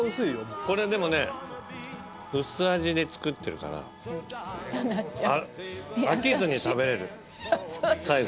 これでもね薄味で作ってるから飽きずに食べれる最後まで。